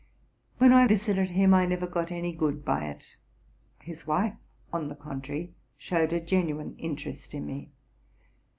"When I visited him I never got any good by it: his wife, on the contrary, showed a genuine interest in me.